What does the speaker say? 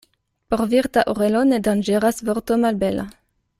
Por virta orelo ne danĝeras vorto malbela.